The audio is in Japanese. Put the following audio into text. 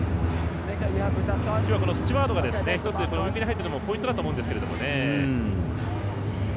今日は、スチュワードがウイングに入っているのも一つポイントだと思うんですけどね。